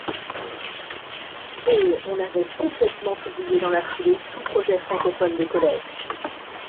Et on avait complètement oublié dans la foulée tout projet francophone de collège.